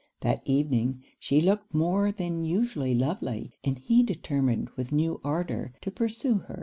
That evening, she looked more than usually lovely, and he determined with new ardour to pursue her.